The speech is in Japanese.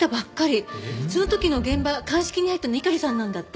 その時の現場鑑識に入ったの猪狩さんなんだって。